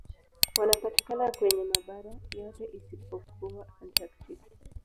Wanapatikana kwenye mabara yote isipokuwa Antaktiki.